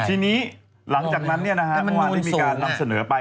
ไม่หายลงแล้วแต่มันนูนสูงทีนี้หลังจากนั้นวันที่มีการนำเสนอไป